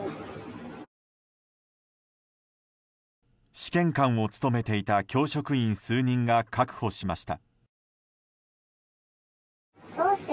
試験官を務めていた教職員数人が確保しました。